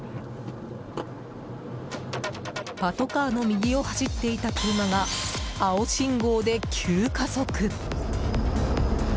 パトカーの右を走っていた車が青信号で急加速。